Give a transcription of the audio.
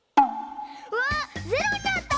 うわっ「０」になった！